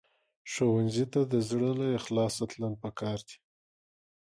ښوونځی ته د زړه له اخلاصه تلل پکار دي